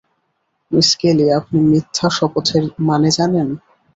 Miss Kelly আপনি মিথ্যা শপথের মানে জানেন?